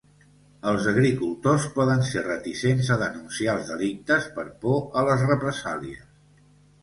Els agricultors poden ser reticents a denunciar els delictes per por a les represàlies.